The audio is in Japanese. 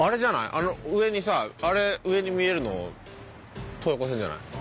あの上にさあれ上に見えるの東横線じゃない？